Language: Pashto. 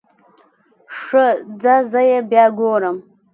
ښه ځه زه يې بيا ګورم.